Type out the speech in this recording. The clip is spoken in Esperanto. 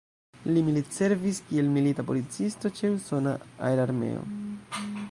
Li militservis kiel milita policisto ĉe usona aerarmeo.